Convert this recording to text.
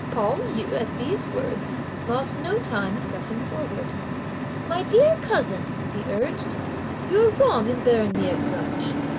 Pao yü, at these words, lost no time in pressing forward. "My dear cousin," he urged; "you're wrong in bearing me a grudge!